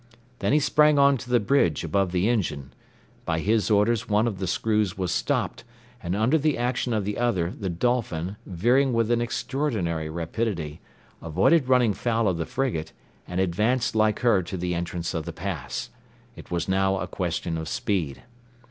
Then he sprang on to the bridge above the engine. By his orders one of the screws was stopped, and under the action of the other the Dolphin, veering with an extraordinary rapidity, avoided running foul of the frigate, and advanced like her to the entrance of the pass. It was now a question of speed.